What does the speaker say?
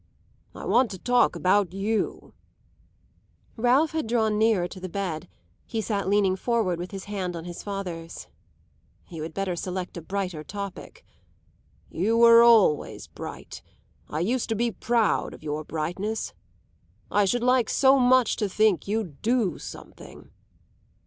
I want to talk about you." Ralph had drawn nearer to the bed; he sat leaning forward with his hand on his father's. "You had better select a brighter topic." "You were always bright; I used to be proud of your brightness. I should like so much to think you'd do something."